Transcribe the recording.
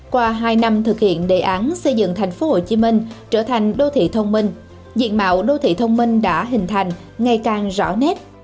qua hai năm thực hiện đề án xây dựng thành phố hồ chí minh trở thành đô thị thông minh diện mạo đô thị thông minh đã hình thành ngày càng rõ nét